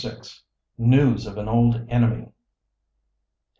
NEWS OF AN OLD ENEMY.